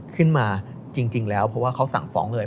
จริงแล้วเพราะว่าเขาสั่งฟ้องเลย